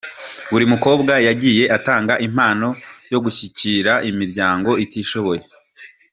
Buri mukobwa yagiye atanga impano yo gushyigikira imiryango itishoboye.